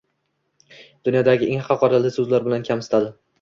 Dunyodagi eng haqoratli soʻzlar bilan kamsitadi.